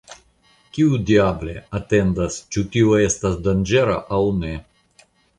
Kiu, diable, atentas, ĉu tio estas danĝera aŭ ne!